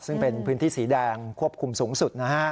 ซึ่งเป็นพื้นที่สีแดงควบคุมสูงสุดนะฮะ